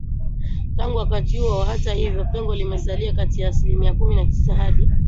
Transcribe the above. Tangu wakati huo hata hivyo pengo limesalia kati ya asilimia kumi na tisa hadi